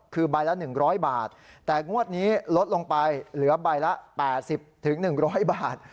คือใบละ๑๐๐บาทแต่งวดนี้ลดลงไปเหลือใบละ๘๐๑๐๐บาท